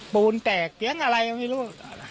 ปูนแตกเสียงอะไรไม่รู้